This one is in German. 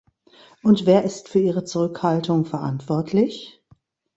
Und wer ist für Ihre Zurückhaltung verantwortlich?